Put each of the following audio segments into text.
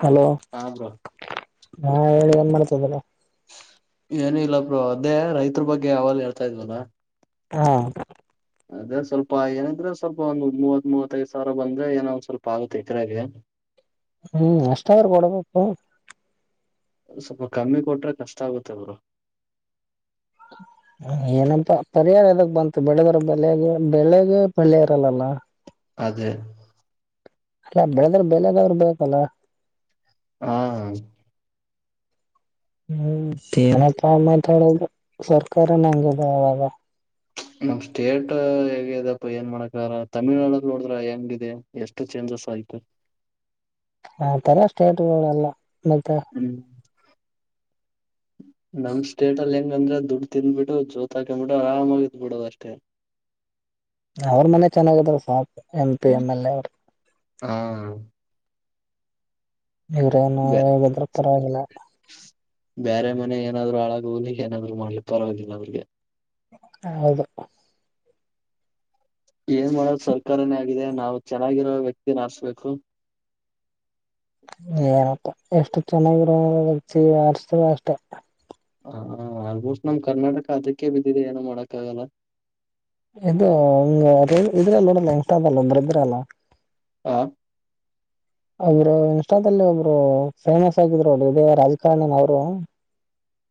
Hello ಹಾ bro ಹಾ ಹೇಳಿ ಏನ್ ಮಾಡ್ತೀರಾ. ಏನಿಲ್ಲ ಬ್ರೋ ಅದೇ ರೈತರ ಬಗ್ಗೆ ಅವಾಗ್ಲೆ ಹೇಳ್ತಾ ಇದ್ವಲ್ಲ. ಹಾ ಅದೇ ಸ್ವಲ್ಪ ಏನಿದ್ರೆ ಸ್ವಲ್ಪ ಒಂದ ಮೂವತ್ ಮೂವತ್ತೈಐದ ಸಾವಿರ ಬಂದ್ರೆ ಏನೋ ಒಂದ್ ಸ್ವಲ್ಪ ಆಗುತ್ತೆ ಎಕ್ರೆಗೆ. ಹ್ಮ್ ಅಷ್ಟದ್ರ ಬಡಬೇಕು. ಸ್ವಲ್ಪ ಕಮ್ಮಿ ಕೊಟ್ರೆ ಕಷ್ಟ ಆಗುತ್ತೆ ಬ್ರೋ. ಏನಂತಾ ಪರಿಹಾರ ಎದಕ್ ಬಂತು ಬೆಳೆದ್ರ [unintelligible] ಬೆಳಗೆ ಬೆಲೆ ಇರಲ್ಲಲ್ಲ. ಅದೇ ಅಲ್ಲ ಬೆಳೆದ್ರ ಬೆಲೆನಾದ್ರೂ ಬೇಕಲ್ಲ. ಹಾ ಹ್ಮ್ ಮತ್ತೆನಪ್ಪ ಮಾತಾಡೋದು ಸರ್ಕಾರನೆ ಹಂಗೆದ [unintelligible] ಅವಾಗ [unintelligible] ನಮ್ ಸ್ಟೇಟ್ ಹೇಗಪ್ಪ ಏನ್ ಮಾಡಕ ತಮಿಳ್ನಾಡಲ್ಲಿ ನೋಡಿದ್ರ ಹೆಂಗ ಇಿದೆ ಎಷ್ಟು ಚೇಂಜ್ ಸಹಿತ ಆ ತರ ಸ್ಟೇಟ್ಗಳಲ್ಲ ಮತ್ತೆ ಹ್ಮ್ [inaudible] ನಮ್ ಸ್ಟೇಟ್ ಅಲ್ಲಿ ಹೆಂಗಂದ್ರೆ ದುಡ್ಡು ತಿದ್ಬಿಟ್ಟು ಜೋತ್ ಹಾಕ್ಬಿಟ್ಟು ಆರಾಮಾಗಿ ಇದ್ಬ ಬಿಡೋ ಅಷ್ಟೇ [inaudible] ಅವ್ರ ಮನೆ ಚೆನ್ನಾಗದಾವ ಸಾಪ M P M L A ಅವರು ಹಾ ಇವ್ರನು ಬ್ಯಾ ಭದ್ರ ಪರವಾಗಿಲ್ಲ ಬೇರೆ ಮನೆ ಏನಾದ್ರು ಹಳಾಗ ಹೋಗ್ಲಿಕ್ಕೆ ಏನಾದ್ರು ಮಾಡ್ಲಿಕ್ಕೆ ಪರವಾಗಿುದಿಲ್ಲ ಅವ್ರಿಗೆ ಹೌದು ಏನ್ ಮಾಡೋ ಸರ್ಕಾರನೇ ಆಗಿದೆ ನಾವು ಚೆನ್ನಾಗಿರೋ ವ್ಯಕ್ತಿನ ಆರ್ಸ್ಬೇಕು ಏನಪ್ಪಾ ಎಷ್ಟು ಚೆನ್ನಾಗಿರೋವಿ ಆಡ್ಸತ ಅಷ್ಟೆ ಹ ಆಲ್ಮೋಸ್ಟ್ ನಮ್ ಕರ್ನಾಟಕ ಅದಕ್ಕೆ ಬಿದ್ದಿದೆ ಏನೋ ಮಾಡಕ್ಕ ಆಗಲ್ಲ ಇದು ಹ ಇದ್ರ ನೋಡಲ್ಲ ಇಸ್ ಅದಲ್ಲ ಒಂದ್ರೆ ಇದ್ರ ಅಲ್ಲ ಹಾ ಅವರು ಇನ್ಸ್ಟಾದಲ್ಲಿ ಒಬ್ರು ಫೇಮಸ್ ಆಗಿದ್ರು ನಡಿ ಇಡೀ ರಾಜಕಾರಣನ್ ಅವರು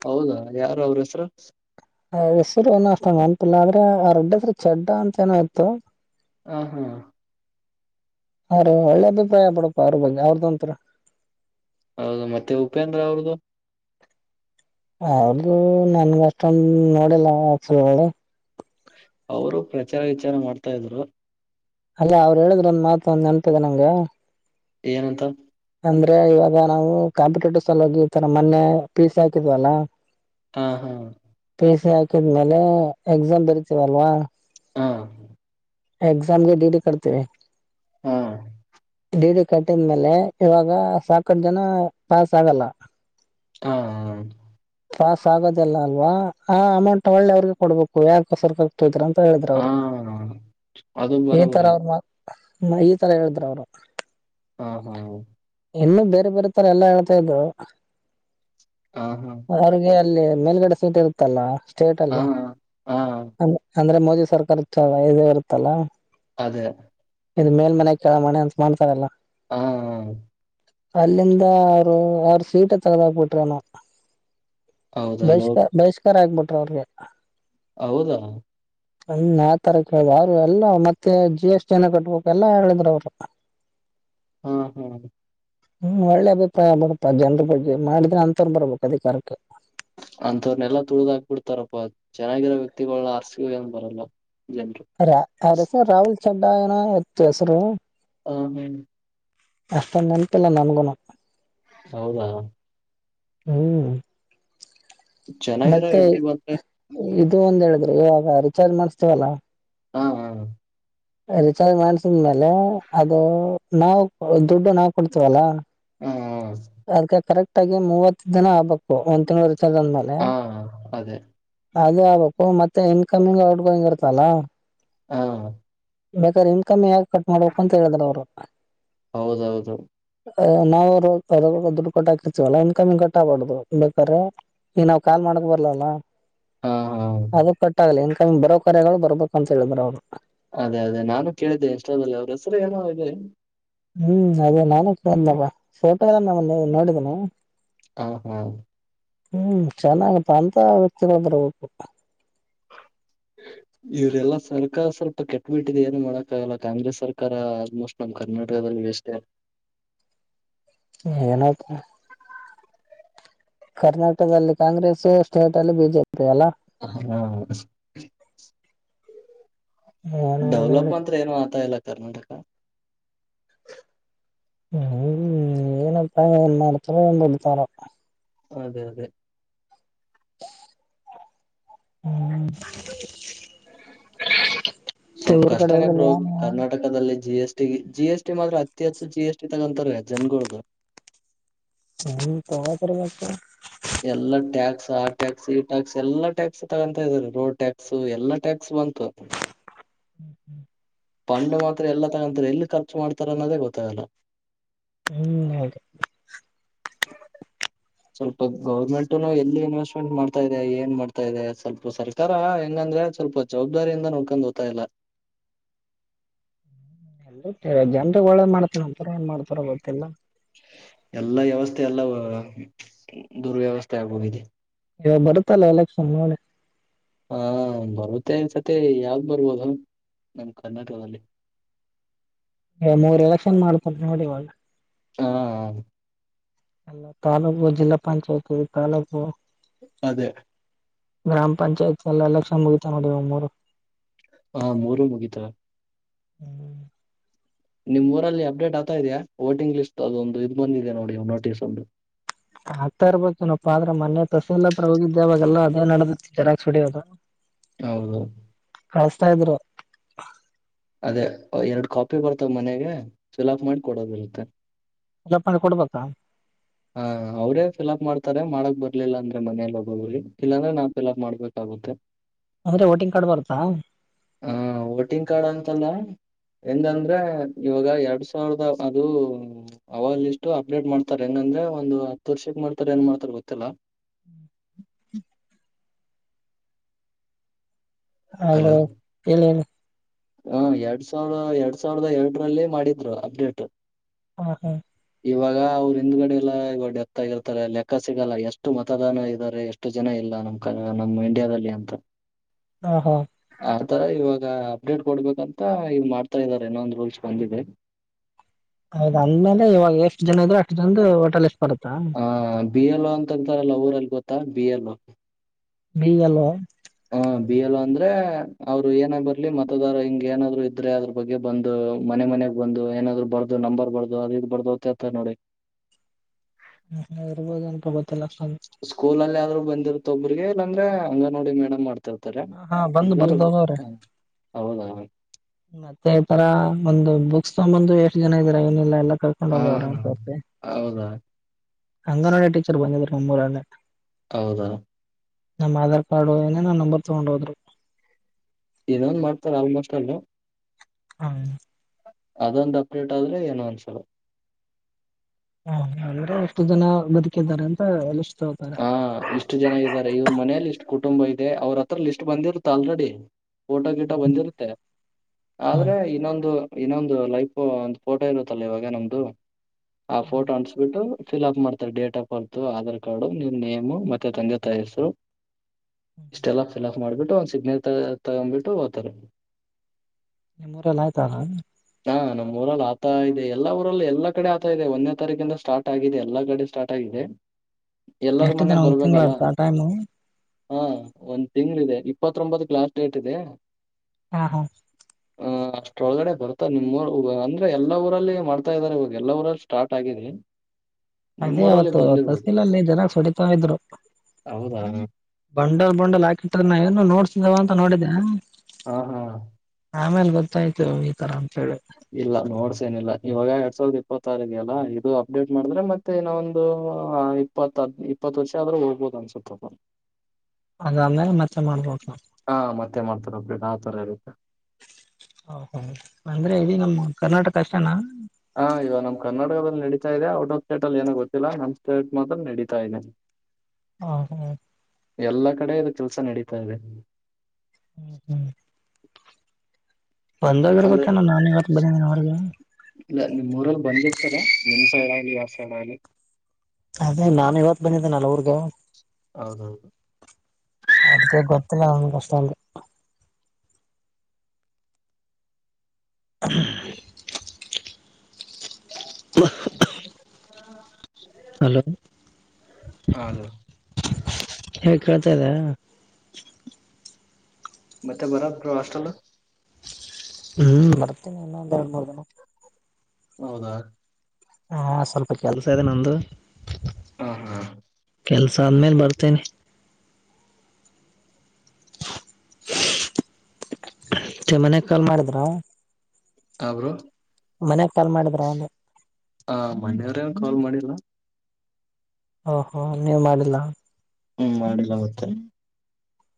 ಹೌದಾ ಯಾರು ಅವ್ರ ಹೆಸರು ಹೆಸರು ಏನ ಅಷ್ಟ ನನ್ಪಿಲ್ಲ ಆದ್ರೆ ಆ ಅಡ್ಡತ್ರ ಚಡ್ಡ ಅಂತ ಏನಾಯ್ತು ಹ ಹಾ ಅ್ರ ಒಳ್ಳೆ ಅಭಿಪ್ರಾಯ ಪಡಪ ಅವ್ರ ಬಗ್ಗೆ ಅವ್ರ್ದೊಂತರ ಹೌದು ಮತ್ತೆ ಉಪೇಂದ್ರ ಅವ್ರದು ಅವ್ರದುು ನನ್ಗ ಅಷ್ಟೊಂದು ನೋಡಿಲ್ಲ ಆಫಲ್ಳ ಅವರು ಪ್ರಚಾರ ವಿಚಾರ ಮಾಡ್ತಾ ಇದ್ರು ಅಲ್ಲ ಅವ್ರು ಹೇಳಿದ್ರ ಒಂದ ಮಾತು ಒಂದು ನೆನಪಿದೆ ನಂಗ ಏನಂತ ಅಂದ್ರೆ ಇವಾಗ ನಾವು ಕಾಂಪಿಟೇಟಿವ್ ಸಲ ಹೋಗಿ ಇ ತರ ಮೊನ್ನೆ ಪಿ ಸಿ ಹಾಕಿದ್ವಲ್ಲ ಹಾ ಹಾ ಪ ಸಿ ಹಾಕಿದ್ಮೇಲೆ ಎಕ್ಸಾಮ್ ಬರೀತೀವಲ್ವಾ ಹಾ ಎಕ್ಸಾಮಗೆ ಡಿಟ ಕತವೆ ಹಾ ಡಿ ಡಿ ಕಟ್ಟಿದ್ಮೇಲೆ ಇವಾಗ ಸಾಕಷ್ಟು ಜನ ಪಾಸ್ ಆಗಲ್ಲ ಹಾ ಹ ಪಾಸ್ ಆಗೋದಿಲ್ಲ ಅಲ್ವಾ ಆ ಅಮೌಂಟ್ ಒಳ್ಳೆ ಅವ್ರಿಗೆ ಕೊಡ್ಬೇಕು ಯಾಕ ಹೊಸರ್ಗ ಆಗ್ತ ಇದ್ರಂತ ಹೇಳಿದ್ರ ಹಾ ಅವರು ಹಾ ಅದು ಏತರ ಬರಬರಿ ಅವ್ರ ಮಾ ನ ಈ ತರ ಹೇಳಿದ್ರ ಅವ್ರು ಹಾ ಹಾ ಇನ್ನುೂ ಬೇರೆ ಬೇರೆ ತರ ಎಲ್ಲಾ ಹೇಳ್ತಾ ಇದು ಹಾ ಹಾ ಅಲ್ಲಿ ಮೇಲುಗಡೆ ಸೀಟ ಇರುತ್ತಲ್ಲ ಸ್ಟೇಟ್ ಹಾ ಅಲ್ಲಿ ಹಾ ಅಂದ್ರೆ ಮೋದಿ ಸರ್ಕಾರ ಚ ಇದ ಇರುತ್ತಲ್ಲ ಅದೇ ಇದು ಮೇಲ್ ಮನೆ ಕೆೇಳಳ ಮನೆ ಅಂತ ಮಾಡ್ತಾರಲ್ಲ ಹ ಹ ಅಲ್ಲಿಂದ ಆರು ಆರ್ ಸೀಟ ತಗ್ದಾಕ್ಬಿಟ್ರನು ಹೌದಾ ಲೋಕ್ ಬಹಿಷ್ಕಾರ ಬಹಿಷ್ಕಾರ ಆಗ್ಬಿಟ್ರ ಅವ್ರಿಗೆ ಹೌದಾ ಹ ನಾವ್ ತರಕ ಹೇಳ ಯು ಎಲ್ಲ ಮತ್ತೆ ಜಿ ಎಸ್ ಟಿನ್ನ ಕಟ್ಬೇಕ ಎಲ್ಲಾ ಹೇಳಿದ್ರ ಅವ್ರು ಹಾ ಹಾ ಹ್ಮ್ ಒಳ್ಳೆ ಅಭಿಪ್ರಾಯ ಬರಪಾ ಜನ್ರ ಬಗ್ಗೆ ಮಾಡಿದ್ರೆ ಅಂತವ್ ಬರ್ಬೇಕಕ್ ಅಧಿಕಾರಕ್ಕೆ ಅಂತವ್ರನೆಲ್ಲಾ ತುಳ್ದ ಹಾಕ್ಬಿಡ್ತಾರಪ್ಪ ಚೆನ್ನಾಗಿರೋ ವ್ಯಕ್ತಿಗಳ ಆರ್ಸ ಏನ್ ಬರಲ್ಲ ಜನ್ರು ಅನ್ ರಾಹುಲ್ ಚಡಾ ಏನಸರು ಹ್ಮ ಹ್ಮ್ ಎಷ್ಟಷ್ಟ ನೆನಪು ಇಲ್ಲ ನಾನಗು ಹೌದಾ ಹ್ಮ್ ಚೆನ್ನಾಗಿರೋ ಮತ್ತೆ ವ್ಯಕ್ತಿ ಬಂದ್ರೆ ಇ ಒಂದ ಹೇಳಿದ್ರಿ ಇವಾಗ ರಿಚಾರ್ಜ್ ಮಾಡ್ತೀವಲ್ಲಾ ಹಾ ಹಾ ರಿಚಾರ್ ಮಾಡಸಿದ್ಮೇಲೆ ಅದು ನಾವು ದುಡ್ಡು ನಾವು ಕೊಡ್ತೀವಲ್ಲಾ ಹಾ ಅದ್ಕ್ಕೆ ಕರೆಕ್ಟ್ ಆಗಿ ಮೂವತ್ತು ದಿನ ಆಗ್ಬೇಕು ಒಂದ ತಿವ ಎಷ್ಟ ಜನ್ ಮೇಲೆ ಹಾ ಅದೇ ಅದು ಆಗ್ಬೇಕು ಮತ್ತೆ ಇನ್ಕಮಿಂಗ್ ಔಟ್ಗ ಗೊ ಹೆಂಗ್ ಇರ್ತಲ್ಲ ಹಾ ಬೇಕಾದ್ರೆ ಇನ್ಕಮ್ ಯಾಕ ಕಟ್ ಮಾಡ್ಬೇಕು ಅಂತ ಹೇಳಿದ್ರ ಅವರು ಹೌದೌದು ನಾವು ದುಡ್ಡು ಕೊಟ್ಟ ಹಾಕಿರ್ತೀವಲ್ಲ ಇನ್ಕಮಿ ಕಟ್ಟಬಾರಡ್ದುದು ಬೇಕಾದ್ರೆ ಏ ನಾವ್ ಕಾಲ್ ಮಾಡಕ್ ಬರ್ಲಲ್ಲ ಹಾ ಹಾ ಅದು ಕಟ್ಟಾಗಲಿ ಇನ್ ಕಮಿಂಗ್ ಬರೋಕರ್ಯ ಬರ್ಬೇಕಂತ ಹೇಳಿದ್ರ ಅವ್ಳು ಅದೇ ಅದೇ ನಾನು ಕೇಳಿದ್ದೆ ಇನ್ಷ್ಟಾದಲ್ಲಿ ಅವ್ರ ಹೆಸರು ಏನೋ ಇದೆ ಹ್ಮ್ ಅದೇ ನಾನೇ ಕ ಫೋಟೋ ಎಲ್ಲಮ್ಮನ್ನ ನೋಡಿದೀನ ಹ ಹಾ ಹ್ಮ್ ಚೆನ್ನಾಗತ್ತ ಅಂತ ವ್ಯಕ್ತಿಗಳು ಬರ್ಬೇಕು ಹ ಇವ್ರೆಲ್ಲಾ ಸರ್ಕಾರ ಸ್ವಲ್ಪ ಕೆಟ್ಟಬಿಟ್ಟಿದೆ ಏನು ಮಾಡಕ್ಕ ಆಗಲ್ಲ ಕಾಂಗ್ರೆಸ್ ಸರ್ಕಾರ ಆಲ್ಮೋಸ್ಟ್ ನಮ್ ಕರ್ನಾಟಕ ವೇಸ್ಟ್ ನಪ್ಪ ಕರ್ನಾಟಕದಲ್ಲಿ ಕಾಂಗ್ರೆಸ್ ಸ್ಟೇಟ್ ಅಲ್ಲಿ ಬಿಜೆಪಿ ಅಲ್ಲ ಹಾ ಏನೋ ಡೆವಲಪ್ ನೋಡಿ ಮತ್ರ ಏನು ಆತಾ ಇಲ್ಲ ಕರ್ನಾಟಕ ಹ್ಮ ಏನಪ್ಪಾ ಏನ್ ಮಾಡ್ತಾರೋ ಏನ್ ಬಿಡ್ತಾರೋ ಅದೇ ಅದೇ ಹ್ಮ್ ಸ್ವಲ್ಪ ಊರ್ ಕಡೆ ಕಷ್ಟನೇ ಬ್ರೋ ಹೋಗಿಲ್ವಾ ನೀವು ಕರ್ನಾಟಕದಲ್ಲಿ G S G S T ಮಾತ್ರ ಅತಿ ಹೆಚ್ಚು ಜಿ ಎಸ್ ಟಿ ತಗೊಂತಾರೆ ಜನಗಳ್ದ ಹ್ಮ ಕಗತರ ಬತ ಎಲ್ಲಾ ಟ್ಯಾಕ್ಸ್ ಟ್ಯಾಕ್ಸ್ ಈ ಟ್ಯಾಕ್ಸ್ ಎಲ್ಲಾ ಟ್ಯಾಕ್ಸ್ ತಗತಾ ಇದೀ ರೋಡ್ ಟ್ಯಾಕ್ಸ್ ಎಲ್ಲಾ ಟ್ಯಾಕ್ಸ್ ಬಂತು ಪಂಡು ಮಾತ್ರ ಎಲ್ಲ ತಗಂತಾರೆ ಎಲ್ಲಿ ಖರ್ಚು ಮಾಡ್ತಾರ ಅನ್ನೋದೇ ಗೊತ್ತಾಗಲ್ಲ ಹ್ಮ್ ಹೌದು ಹ ಸ್ವಲ್ಪ ಗೌರ್ಮೆಂಟ್ನು ಎಲ್ಲಿ ಇನ್ವೆಸ್ಟ್ಮೆಂಟ್ ಮಾಡ್ತಾ ಇದೆ ಏನ್ ಮಾಡ್ತಾ ಇದೆ ಸ್ವಲ್ಪ ಸರ್ಕಾರ ಹಂಗಂದ್ರೆ ಸ್ವಲ್ಪ ಜವಾಬ್ದಾರಿಯಿಂದ ನೋಡ್ಕೊಂಡು ೋಗತಾ ಇಲ್ಲ ಎ ಜನಗ್ ಒಳ್ಳೆ ಮಾಡ್ತನ ಒಂತರ ಏನ್ ಮಾಡ್ತಾರ ಗೊತ್ತಿಲ್ಲ ಮತ್ತ ಎಲ್ಲ ದುರ್ವ್ಯವಸ್ಥೆ ಆಗೋಗಿದೆ ಇವ ಬರುತ್ತಲ್ಲ ಎಲೆಕ್ಷನ್ ನೋಡಿ ಹಾ ಬರುತ್ತೆ ಸತಿ ಯಾವ್ದ ಬರ್ಬೋದು ನಮ್ ಕರ್ನಾಟಕದಲ್ಲಿ [inaudible] ಮೂರ್ ಎಲೆಕ್ಷನ್ ಮಾಡ್ತತ್ ನೋಡಿ ಇವಾಗ ಹಾ ಹ ಎಲ್ಲ ತಾಲೂಕು ಜಿಲ್ಲಾ ಪಂಚಾಯತಿ ತಾಲೂಕು ಅದೇ ಗ್ರಾಮ ಪಂಚಾಯತಿ ಎಲ್ಲ ಎಲೆಕ್ಷನ್ ಮುಗಿತ ನೋಡಿ ಒ ಮೂೂರು ಹ ಮೂರು ಮುಗಿತಾ ಹ್ಮ್ ನಿಮ್ ಊರಲ್ಲಿ ಅಪ್ಡೇಟ್ ಆಗ್ತಾ ಇದೆಯಾ ವೋಟಿಂಗ್ ಲಿಸ್ಟ್ ಅದೊಂದು ಇದದು್ ಬಂದಿದೆ ನೋಡಿ ನೋಟಿಸ್ ಒಂದು ಆಗ್ತಾ ಇರ್ಬೇಕು ನಪ್ಪ ಆದ್ರೆ ಮೊನ್ನೆ ತಸಲ್ಲತ್ರ ಹೋಗಿದ್ದೆ ಅವಾಗಲ್ಲಾ ಅದೇ ನಡದ ಜರಾಗಕ್ ಸುಡೋದು ಹೌದು ಕಸ್ತಾ ಇದ್ರು ಅದೇ ಎರಡು ಕಾಪಿ ಬರ್ತಾವ ಮನೆಗೆ ಫಿಲ್ ಆಪ್ ಮಾಡಿ ಕೊಡೋದಿರುತ್ತೆ ಫಿಲಪ್ ಮಾಡಿ ಕೊಡ್ಬೇಕಾ ಹಾ ಅವ್ರೇ ಫಿಲ್ಅಪ್ ಮಾಡ್ತಾರೆ ಮಾಡ ಬರ್ಲಿಲ್ಲ ಅಂದ್ರೆ ಮನೆಯಲ್ಲ ಹೋಗೋಗ್ರ ಇಲ್ಲಾಂದ್ರೆ ನಾವವು ಕೆಲಪ್ ಮಾಡ್ಬೇಕಾಗುತ್ತೆ ಅವ್ದೆ ವೋಟಿಂಗ್ ಕಾರ್ಡ್ ಬರುತ್ತಾ ಹ ಹೆಂಗಂದ್ರೆ ಇವಾಗ ಎರಡ್ ಸಾವಿರದ ಅದು ಅವ ಲಿಸ್ಟ ಅಪ್ಡೇಟ್ ಮಾಡ್ತಾರೆ ಹೆಂಗಂದ್ರ ಅಂದ್ರೆ ಒಂದು ಹತ್ತು ತರ್ಷಕ್ ಮಾಡ್ತಾರ ಏನ್ ಮಾಡ್ತಾರ ಗೊತ್ತಿಲ್ಲಾ ಹ್ಮ್ ಹ್ಮ ಹ್ರ ಹಲೋ ಇಲೋನಿ ಹ ಎರಡ್ ಸಾವಿರ ಎರಡ್ ಸಾವಿರ್ದ ಎಂಟ್ರಲ್ಲಿ ಮಾಡಿದ್ರು ಅಪ್ಡೇಟ್ ಹಾ ಹಾ ಇವಾಗ ಅವರು ಹಿಂದ್ಗಡೆ ಎಲ್ಲ ಇವ ಡೆತ್ತ ಆಗಿರ್ತಾರೆ ಲೆಕ್ಕ ಸಿಗಲ್ಲ ಎಷ್ಟು ಮತದಾನ ಇದ್ದಾರೆ ಎಷ್ಟು ಜನ ಇಲ್ಲ ನಮ್ ಕನ ನಮ್ಮ್ ಇಂಡಿಯಾದಲ್ಲಿ ಅಂತ ಹ ಹಾ ಆತರ ಇವಾಗ ಅಪ್ಡೇಟ್ ಕೊಡ್ಬೇಕಂತ ಇವ್ ಮಾಡ್ತಾ ಇದಾರೆ ಇನೊಂದು ರೂಲ್ಸ್ ಬಂದಿದೆ ಹೌದು ಅಂದ್ಮೇಲೆ ಇವಾಗ ಎಷ್ಟು ಜನ ಇದ್ರು ಅಷ್ಟು ಜನದ ಹೋಟೆಲ್ ಎಷ್ಟ ಹ ಬಿ ಎಲ್ ಅಂತಂತಲ್ಲ ಊರಲ್ಲಿ ಗೊತ್ತಾ ಬಿ ಎಲ್ ಬಿ ಎಲ್ ಓ ಹಾ ಬಿ ಎಲ್ ಅಂದ್ರೆ ಅವ್ರು ಏನ ಬರ್ಲಿ ಮತದಾರ ಹಿಂಗ ಏನಾದ್ರು ಇದ್ರೆ ಅದ್ರ ಬಗ್ಗೆ ಬಂದು ಮನೆ ಮನೆ ನಗ್ ಬಂದು ಏನಾದ್ರು ಬರ್ದು ನಂಬರ್ ಬರ್ದು ಅದು ಇದು ಬರ್ದು ಹೋಗ್ತಾರೆ ನೋಡಿ ಹ್ಮ ಹ ಇರ್ಬೋದನಪ ಬ ಸ್ಕೂಲ್ ಅಲ್ಲಿ ಆದ್ರು ಬಂದಿರ್ತ ಒಬ್ರಿಗೆ ಇಲ್ಲಾಂದ್ರೆ ಅಂಗನವಾಡಿ ಮೇಡಮ್ ಮಾಡ್ತ ತರೆ ಹಾ ಬಂದು ಇಬ್ರಾಲ್ ಬರ್ದ ಒಬ್ರು ಹೋಗವ್ರೆ ಹ ಹೌದೌದು ಮತ್ತೆ ಈ ತರ ಒಂದು ಬುಕ್ಸ್ ತಗೊಂಬಂದು ಎಷ್ಟು ಜನ ಇದಾರೆ ಏನಿಲ್ಲ ಎಲ್ಲ ಕರ್ಕೊಂಡ್ ಹ ಹೋಗದವ್ರ ಅಂತ ಹೌದಾ ಅಂಗನವಾಡಿ ಟೀಚರ್ ಬಂದಿದ್ರ ನಮ್ಮೂರಲ್ಲೆ ಹೌದಾ ನಮ್ಮ್ ಆಧಾರ್ ಕಾರ್ಡ್ ಏನ ನಮ್ಮ್ ನಂಬರ್ ತಗೊಂಡ ಹೋದ್ರು ಇದನ್ನೊನ್ ಮಾಡ್ತಾರ ಆಲ್ಮೋಸ್ಟ್ ಅಲ್ಲ ಹ್ಮ ಅದೊಂದು ಅಪ್ಡೇಟ್ ಆದ್ರೆ ಏನು ಅನ್ಸಲ್ಲ ಹ ಅಂದ್ರೆ ಎಷ್ಟು ಜನ ಬದುಕಿದ್ದಾರೆ ಅಂತ ಎು ಹಾ ಇಷ್ಟು ಜನ ಇದಾರೆ ಇವ್ರ ಮನೇೆಯಲ್ಲಿ ಇಷ್ಟು ಕು ಟುಂಬ ಇದೆ ಅವ್ರ ಹತ್ರ ಲಿಸ್ಟ್ ಬಂದಿರುತ್ತ ಆಲ್ರೆಡಿ ಫೋಟೋ ಗಿಟ ಬಂದಿರುತ್ತೆ ಆದ್ರೆ ಹ್ಮ್ ಇನ್ನೊಂದು ಇನ್ನೊಂದು ಲೈಫ್ ಒಂದು ಫೋಟೋ ಇರುತ್ತಲ್ಲ ಇವಾಗ ನಮ್ದು ಆ ಫೋಟೋ ಅನ್ಸಬಿಟ್ಟು ಫಿಲ್ಅಪ್ ಮಾಡ್ತಾರೆ date of birth Aadhaar card ನಿಮ್ಮ ನೇಮು ಮತ್ತೆ ತಂದೆ ತಾಯಿ ಹೆಸರು ಇಷ್ಟೆಲ್ಲ ಫಿಲ್ಅಪ್ ಮಾಡ್ಬಿಟ್ಟು ಒಂದ್ ಸಿಗ್ನತ ತಗೊಬಿಟ್ಟು ಓತಾರೆ ನಿಮ್ಮೂರೆಲ್ಲ ಆಯ್ತ ಹಾ ನಮ್ಮ ಊರಲ್ಲಿ ಆತಾ ಇದೆ ಎಲ್ಲ ಊರಲ್ಲಿ ಎಲ್ಲ ಕಡೆ ಆತ ಇದೆಂದೇ ತಾರೀಕಿಂದ ಸ್ಟಾರ್ಟ್ ಆಗಿದೆ ಎಲ್ಲ ಕಡೆ ಸ್ಟಾರ್ಟ್ ಆಗಿ ದೆ ಎಲ್ಲರ ಎಷ್ಟು ಮನೆ ದಿನ ಒಂದ್ ತಿಂಗಳ ಬರ್ಬೇಕಲ್ಲ ಆಯ್ತಾ ಟೈಮು ಹಾ ಒಂದ್ ತಿಂಗ್ಳ ಇದೆ ಇಪ್ಪತ್ತೊಂಬತ್ ಲಾಸ್ಟ್ ಡೇಟ್ ಇದೆ ಹಾ ಹಾ ಹ ಅಷ್ಟ್ರೊಳಗಡೆ ಬರ್ತ ನಿಮ್ಮ್ ಅಂದ್ರೆ ಎಲ್ಲ ಊರಲ್ಲಿ ಮಾಡ್ತಾ ಇದಾರೆ ಇವಾಗ ಎಲ್ಲಾ ಊರಲ್ಲಿ ಸ್ಟಾರ್ಟ್ ಆಗಿದೆ ಹ್ಮ್ ಅದೇ ಅವತ್ತು ಕರ್ಿಲ್ಲ ಜನ ಸಡಿತಾ ಇದ ಇದ್ರು ಹೌದಾ ಬಂಡಲ್ ಬಂಡಲ್ ಹಾಕಿಟ್ಟ ಏ ನೋಡ್ ನ ಅಂತ ನೋಡಿದ್ದೆ ಹಾ ಹಾ ಆಮೇಲೆ ಗೊತ್ತಾಯ್ತು ಈ ತರ ಹೇಳಿ ಇಲ್ಲ ನೋಡ್ಸೇನಿಲ್ಲ ಇವಾಗ ಎರ್ಡ್ಸೋಲ್ ತಾರಿಗೆಲ್ಲಾ ಇದು ಅಪ್ಡೇಟ್ ಮಾಡಿದ್ರೆ ಮತ್ತೆ ಇ ಒಂದು ಇಪ್ಪ ಇಪ್ಪತ್ ವರ್ಷ ಆದ್ರೂ ಹೋಗ್ಬ ಸತ ಅದ ಅಂದೇ ಮಚ್ಚಮ್ಮಳ ತೋಟಣ ಹಾ ಮತ್ತೆ ಮಾಡ್ತಾರೆ ಅಪ್ಡೇಟ್ ಆ ತರ ಇರುತ್ತೆ [inaudible] ಹ ಹ ಅಂದ್ರೆ ಇೀ ನಮ್ಮ ಕರ್ನಾಟಕ ಕಷ್ಟನಾ ಹಾ ಇವಾಗ ನಮ್ ಕರ್ನಾಟಕದಲ್ಲಿ ನಡೀತಾ ಇದೆ ಔಟ್ ಆಫ್ ಸ್ಟೇಟ್ ಅಲ್ಲಿ ಏನ ಗೊತ್ತಿಲ್ಲ ನ್ ಸ್ಟೇಟ್ ಮಾತ್ರ ನಡೀತ ಇದೆ ಹಾ ಹಾ ಎಲ್ಲಾ ಕಡೆ ಇದು ಕೆಲ್ಸ ನಡೀತಾ ಇದೆ ಹ್ಮ ಹ್ಮ್ ಬಂದಾಗ ಅದ ಇರ್ಬೇಕನ ನಾನ ಇವತ್ತು ಬಂದನೇನ ಅವ್ರಿಗೆ ಇಲ್ಲ ನಿಮ್ ಊರಲ್ಲಿ ಬಂದಿರ್ತದ ನಿಮ್ ಸೈಡ್ ಆಗಲಿ ಯಾವ ಸೈಡ್ ಆಲಿ ಅದೇ ನಾನು ಇವತ್ ಬಂದಿದ್ದೆ ನಲ್ವರ್ಗ ಹೌದೌದು ಅದ್ಕೇ ಗೊತ್ತಿಲ್ಲ ನನ್ ಕಷ್ಟ ಅಲ್ ಹ ಹ್ಮ [inaudible] ಹಲೋ ಹಲೋ ಕಳ್ತಾ ಇದದಾ ಮತ್ತೆ ಬರ ರಾಷ್ಟ್ರಲ್ಲ ಹ್ಮ್ ಬರ್ತೀನಿ ಇನ್ನೊ ಒಂದ ಎರಡು ಮೂರ್ ದಿನ ಹೌದಾ ಹಾ ಸ್ವಲ್ಪ ಕೆಲ್ಸ ಇದೆ ನಂದು ಹಾ ಹಾ ಕೆಲ್ಸ ಆದ್ಮೇಲೆ ಬರ್ತೇನೆ [inaudible] ಮನೆಯ ಕಾಲ್ ಮಾಡಿದ್ರ ಹರಬ್ರೋ ಮನ್ಯಾಗ ಕಾಲ್ ಮಾಡಿದ್ರ ಒಂದು ಆ ಮೊನ್ನೆಯವರೇ ಕಾಲ್ ಮಾಡಿಲ್ಲ ಹ ಹೋ ನೀವ್ ಮಾಡಿಲ್ಲ ಹ್ಮ್ ಮಾಡಿಲ್ಲ ಮತ್ತ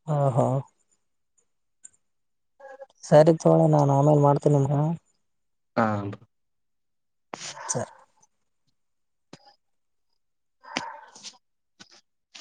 ಹಾ ಹಾ ಸರಿ ತೊಳೆ ನಾನ್ ಆಮೇಲ್ ಮಾಡ್ತೀನಿ ನಿಮ್ಗ ಆ [inaudible] ಸರಿ [inaudible]